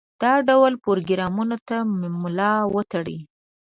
دا ډول پروګرامونو ته ملا وتړي.